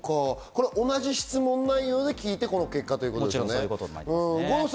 同じ質問内容で聞いてこの結果ということですね。